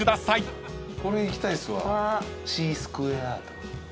これいきたいっすわＣスクエアド。